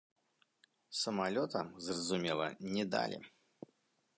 Самалёта, зразумела, не далі.